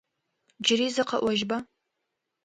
Джыри зэ къэӏожьба?